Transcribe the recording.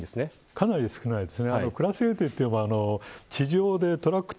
かなり少ないです。